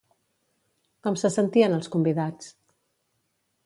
Com se sentien els convidats?